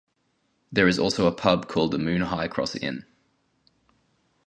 There is also pub called the Moone High Cross Inn.